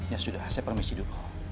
ya sudah saya permisi dulu